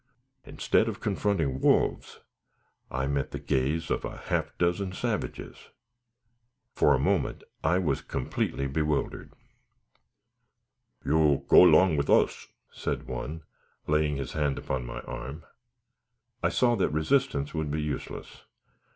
Instead of confronting wolves, I met the gaze of a half dozen savages! For a moment I was completely bewildered. "You go 'long with us," said one, laying his hand upon my arm. I saw that resistance would be useless.